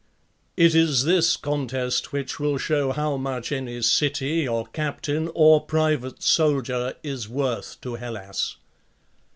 It is this contest which will show how much any city or captain or private: soldier is worth to Hellas."..